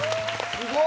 ・すごい！